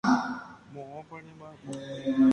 Moõpa remba'apo.